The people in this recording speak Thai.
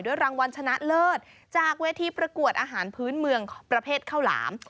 รางวัลชนะเลิศจากเวทีประกวดอาหารพื้นเมืองประเภทข้าวหลาม